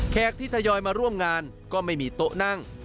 ที่ทยอยมาร่วมงานก็ไม่มีโต๊ะนั่ง